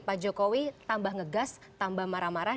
pak jokowi tambah ngegas tambah marah marah